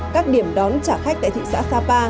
các điểm đón trả khách tại thị xã sapa